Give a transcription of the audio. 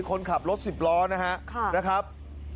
คนขับรถเสียจอดข้างทาง